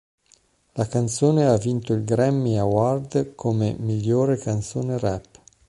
La canzone ha vinto il Grammy Award come "Migliore canzone rap".